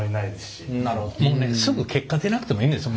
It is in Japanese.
もうねすぐ結果出なくてもいいんですよ。